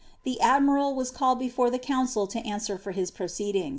The admire) was called before the council to answer for his proceeding.